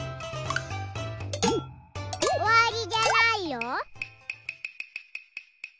おわりじゃないよ。